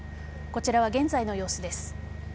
こちらは現在の様子です。